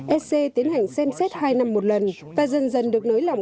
ec tiến hành xem xét hai năm một lần và dần dần được nới lỏng